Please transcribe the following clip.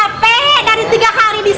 kenapa nggak dapat kapal